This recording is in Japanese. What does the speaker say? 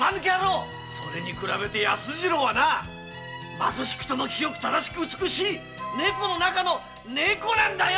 それに比べてヤスジロウはな貧しくても清く正しく美しい猫の中の猫なんだよ！